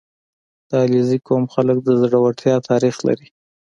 • د علیزي قوم خلک د زړورتیا تاریخ لري.